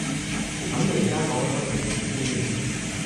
噉你而家講緊乜電視先？